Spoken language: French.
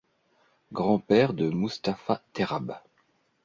Grand-père de Mustapha Terrab.